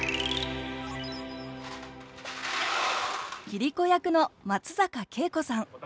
桐子役の松坂慶子さん。